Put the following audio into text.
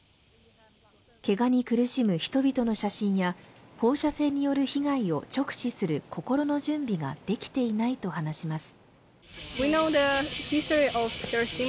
けがに苦しむ人々の写真や放射線による被害を直視する心の準備ができていないと話します。